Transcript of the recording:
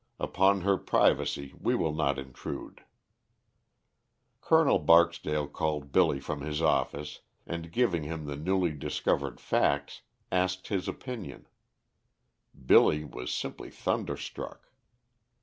Upon her privacy we will not intrude. Col. Barksdale called Billy from his office, and giving him the newly discovered facts, asked his opinion. Billy was simply thunderstruck.